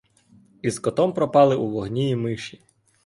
Із котом пропали у вогні і миші.